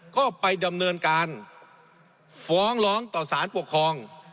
ก็ไปดำเนินการฟ้องร้องต่อสารปกครอง